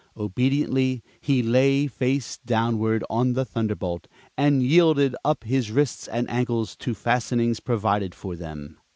Obediently he lay face downward on the thunderbolt, and yielded up his wrists and ankles to fastenings provided for them.